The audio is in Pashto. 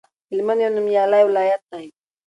هلمند یو نومیالی ولایت دی